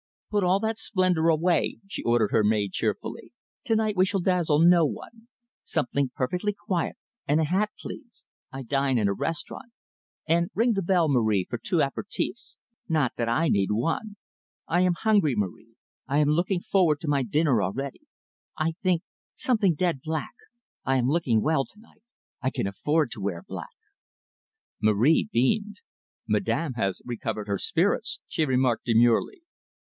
"Put all that splendour away," she ordered her maid cheerfully. "To night we shall dazzle no one. Something perfectly quiet and a hat, please. I dine in a restaurant. And ring the bell, Marie, for two aperitifs not that I need one. I am hungry, Marie. I am looking forward to my dinner already. I think something dead black. I am looking well tonight. I can afford to wear black." Marie beamed. "Madame has recovered her spirits," she remarked demurely.